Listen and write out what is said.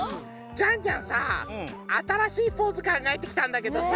ジャンジャンさあたらしいポーズかんがえてきたんだけどさ。